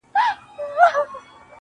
خو مخته دي ځان هر ځلي ملنگ در اچوم.